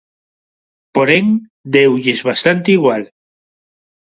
Porén, deulles bastante igual.